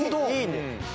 いいね。